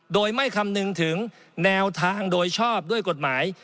โดยไม่คำนึงถึงแนวทางโดยชอบด้วยกฎหมาย